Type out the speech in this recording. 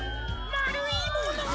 まるいもの！